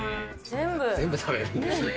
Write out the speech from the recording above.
全部食べるんですね。